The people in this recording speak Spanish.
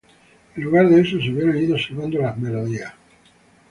En lugar de eso, se hubieran ido silbando las melodías".